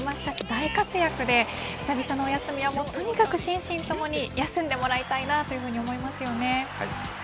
大活躍で久々のお休みはとにかく心身ともに休んでもらいたいと思います。